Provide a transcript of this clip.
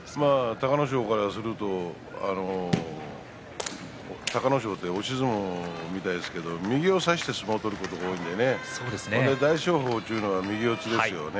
隆の勝からすると押し相撲ですから右を差して相撲を取ることが多いので大翔鵬は右四つですよね。